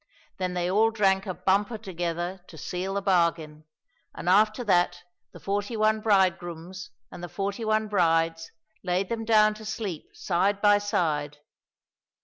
Then they all drank a bumper together to seal the bargain, and after that the forty one bride grooms and the forty one brides laid them down to sleep side by side.